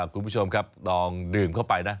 คุณผู้ชมครับลองดื่มเข้าไปนะ